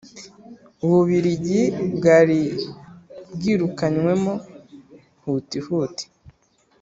ububiligi bwari bwirukanywemo huti huti- .